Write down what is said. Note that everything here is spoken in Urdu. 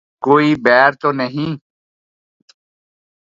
کوئی بیر تو نہیں